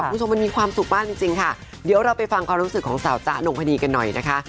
คุณผู้ชมมันมีความสุขมากจริงจริงค่ะเดี๋ยวเราไปฟังความรู้สึกของสาวจ๊ะนงพนีกันหน่อยนะคะ